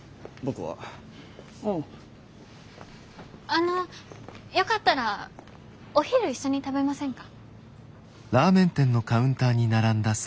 あのよかったらお昼一緒に食べませんか？